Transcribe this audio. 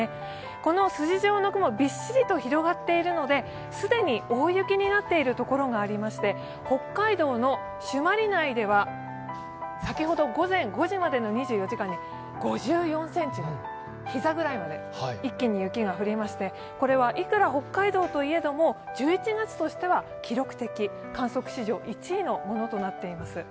この筋状の雲、びっしりと広がっているので既に大雪になっている所がありまして、北海道の朱鞠内では先ほど午前５時までの２４時間に５４ｃｍ降って、膝ぐらいまで一気に雪が降りましてこれは、いくら北海道といえども１１月としては記録的、観測史上１位のものとなっています。